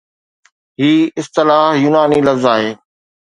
هي اصطلاح يوناني لفظ آهي